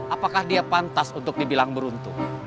apakah dia pantas untuk dibilang beruntung